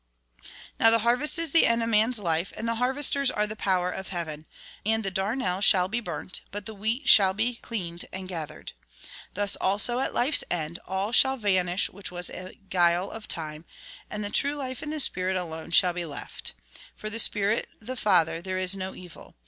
Now, the harvest is the end of man's life, and the harvesters are the power of heaven. And the darnel shall be burnt, but the wheat shall be cleaned and gathered. Thus also, at life's end, all shall vanish which was a guUe of time, and the true life in the spirit shall alone be left. For the Spirit, the Father, there is no evil.